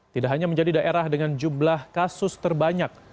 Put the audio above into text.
tidak hanya menjadi daerah dengan jumlah kasus terbanyak